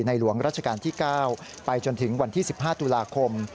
หลวงราชการที่๙ไปจนถึงวันที่๑๕ตุลาคม